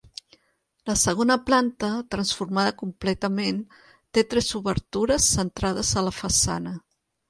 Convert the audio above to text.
La segona planta, transformada completament, té tres obertures centrades a la façana.